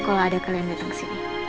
kalau ada kalian datang ke sini